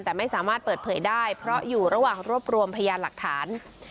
แต่ไม่สามารถเปิดเผยได้เพราะอยู่ระหว่างรวบรวมพยานหลักฐาน